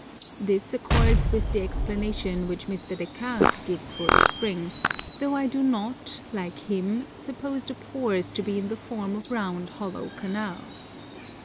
This accords with the explanation which Mr. Des Cartes gives for the spring, though I do not, like him, suppose the pores to be in the form of round hollow canals.